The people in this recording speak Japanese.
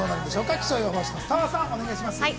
気象予報士の澤さん、お願いします。